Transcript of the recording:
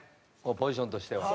ポジションとしては。